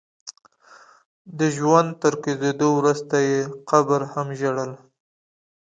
د ژوند تر کوزېدو وروسته يې قبر هم ژړل.